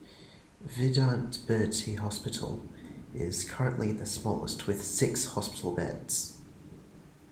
Vidant Bertie Hospital is currently the smallest, with six hospital beds.